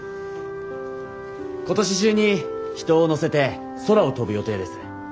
今年中に人を乗せて空を飛ぶ予定です。